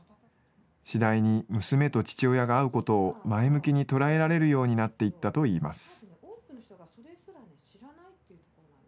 次第に娘と父親が会うことを前向きに捉えられるようになっていったといいます。